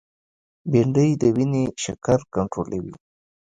بېنډۍ د وینې شکر کنټرولوي